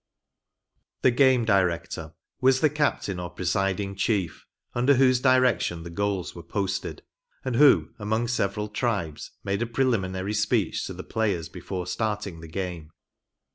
THE GAME DIRECTOR Was the captain or presiding chief, under whose direction the goals were posted ; and who, among several tribes, made a preliminary speech to the players before starting the game.